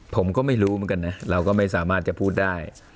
ผมก็ไม่รู้เหมือนกันนะเราก็ไม่สามารถจะพูดได้